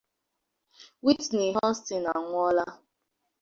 Whitney Houston anwuola